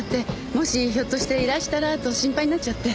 もしひょっとしていらしたらと心配になっちゃって。